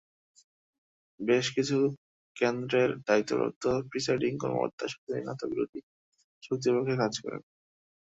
বেশ কিছু কেন্দ্রের দায়িত্বপ্রাপ্ত প্রিসাইডিং কর্মকর্তা স্বাধীনতাবিরোধী শক্তির পক্ষে কাজ করেন।